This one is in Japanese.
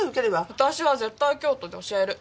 私は絶対京都で教える。